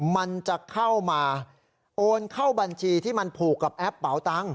มันจะเข้ามาโอนเข้าบัญชีที่มันผูกกับแอปเป๋าตังค